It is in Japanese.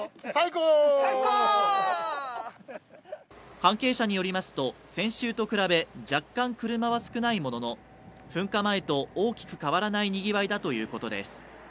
関係者によりますと、先週と比べ若干車は少ないものの、噴火前と大きく変わらないにぎわいだということです。